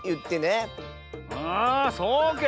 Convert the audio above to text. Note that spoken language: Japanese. あそうけ。